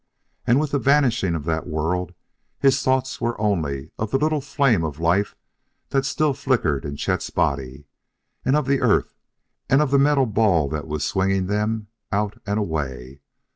And, with the vanishing of that world his thoughts were only of the little flame of life that still flickered in Chet's body, and of the Earth, and of the metal ball that was swinging them out and away....